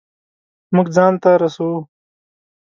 مونږ ځان ته رسو